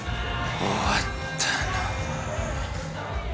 終わったな。